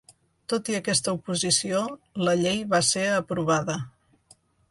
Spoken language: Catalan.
Tot i aquesta oposició, la llei va ser aprovada.